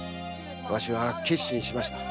わしは決心しました。